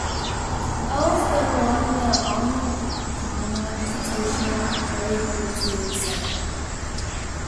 Els then won the Arnold Palmer Invitational at Bay Hill two weeks later.